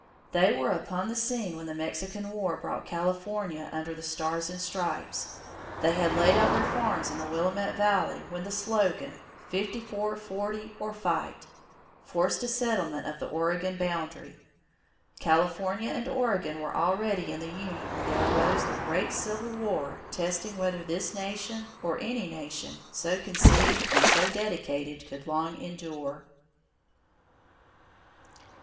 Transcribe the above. They were upon the scene when the Mexican War brought California under the Stars and Stripes. They had laid out their farms in the Willamette Valley when the slogan "Fifty Four Forty or Fight" forced a settlement of the Oregon boundary. California and Oregon were already in the union when there arose the Great Civil War testing whether this nation or any nation so conceived and so dedicated could long endure.